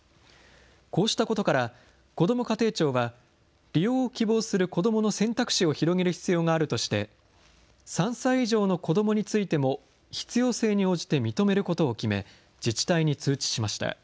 こうしたことから、こども家庭庁は、利用を希望する子どもの選択肢を広げる必要があるとして、３歳以上の子どもについても必要性に応じて認めることを決め、自治体に通知しました。